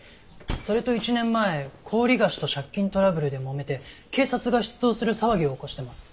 それと１年前高利貸しと借金トラブルでもめて警察が出動する騒ぎを起こしてます。